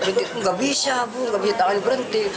nggak bisa bu nggak bisa tangan berhenti